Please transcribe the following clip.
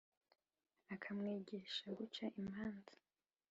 akamwigisha guca imanza,